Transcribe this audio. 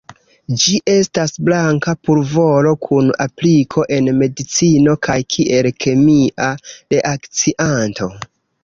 Ĝi estas blanka pulvoro kun apliko en medicino kaj kiel kemia reakcianto.